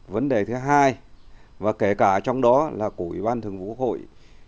vấn đề thứ hai và kể cả trong đó là của ủy ban thường vụ quốc hội